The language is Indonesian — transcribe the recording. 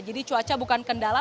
jadi cuaca bukan kendala